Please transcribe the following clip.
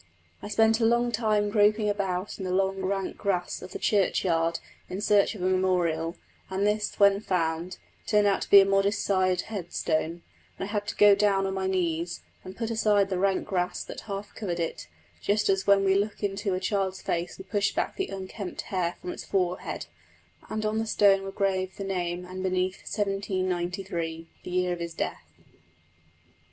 I spent a long time groping about in the long rank grass of the churchyard in search of a memorial; and this, when found, turned out to be a modest sized headstone, and I had to go down on my knees, and put aside the rank grass that half covered it, just as when we look into a child's face we push back the unkempt hair from its forehead; and on the stone were graved the name, and beneath, "1793," the year of his death.